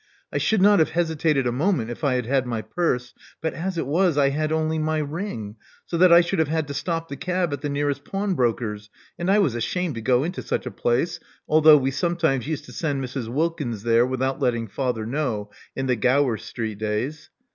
I should not have hesitated a moment if I had had my purse ; but as it was, I had only my ring, so that I should have had to stop the cab at the nearest pawnbrokers; and I was ashamed to go into such a place — although we sometimes used to send Mrs. Wilkins there, without letting father know, in the Gower Street days.